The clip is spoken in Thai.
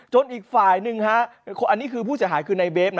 อีกฝ่ายหนึ่งฮะอันนี้คือผู้เสียหายคือในเบฟนะ